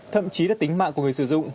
thậm chí là tính mạng của người sử dụng